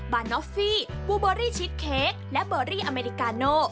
นอฟฟี่บูเบอรี่ชิดเค้กและเบอรี่อเมริกาโน